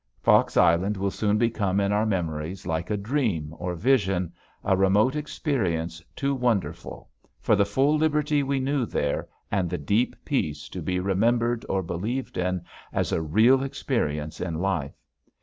Fox Island will soon become in our memories like a dream or vision, a remote experience too wonderful, for the full liberty we knew there and the deep peace, to be remembered or believed in as a real experience in life.